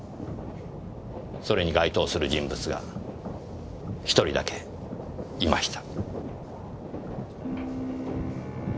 それに該当する人物が１人だけいました。